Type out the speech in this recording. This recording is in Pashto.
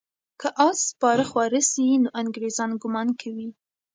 که آس سپاره خواره سي، نو انګریزان ګمان کوي.